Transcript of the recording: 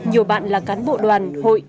nhiều bạn là cán bộ đoàn hội